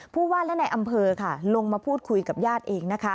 ผู้ว่าและในอำเภอค่ะลงมาพูดคุยกับญาติเองนะคะ